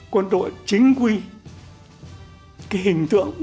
quân đội chính quy cái hình tượng